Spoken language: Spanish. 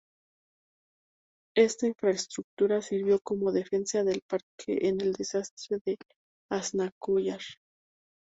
Esta infraestructura sirvió como defensa del parque en el desastre de Aznalcóllar.